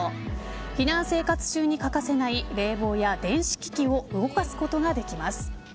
避難生活中に欠かせない冷房や電子機器を動かすことができます。